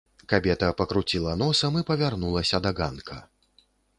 Кабета пакруціла носам і павярнулася да ганка.